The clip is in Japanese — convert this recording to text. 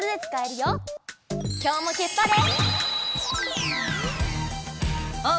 きょうもけっぱれ！